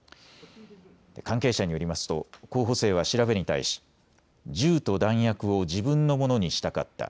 関係者によりますと候補生は調べに対し銃と弾薬を自分のものにしたかった。